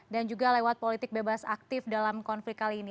dan juga lewat politik bebas aktif dalam konflik kali ini